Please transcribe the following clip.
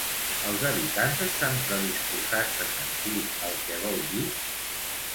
Els habitants estan predisposats a sentir el que vol dir?